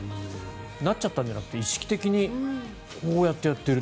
なっちゃったんじゃなくて意識的にこうやってやってる。